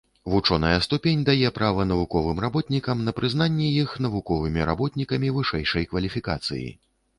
Вучоная ступень дае права навуковым работнікам на прызнанне іх навуковымі работнікамі вышэйшай кваліфікацыі.